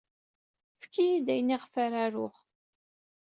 Efk-iyi-d ayen ayɣef ara aruɣ.